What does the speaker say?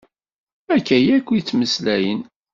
Akka akk i ttmeslayen.